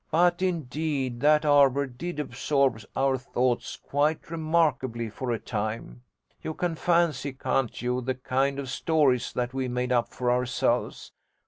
but indeed that arbour did absorb our thoughts quite remarkably for a time. You can fancy, can't you, the kind of stories that we made up for ourselves.